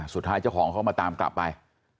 สุดท้ายเจ้าของเข้ามาตามกลับไป